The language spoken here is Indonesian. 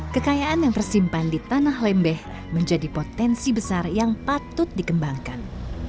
kekayaan yang tersimpan di tanah lembeh menjadi potensi besar yang patut dikembangkan